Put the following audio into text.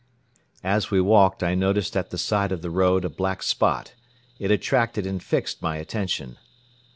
As we walked I noticed at the side of the road a black spot. It attracted and fixed my attention.